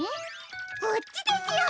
こっちですよ！